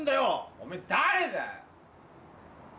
おめぇ誰だよ！